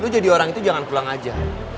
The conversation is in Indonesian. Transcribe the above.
lu jadi orang itu jangan pulang aja